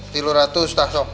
tiga ratus tak sob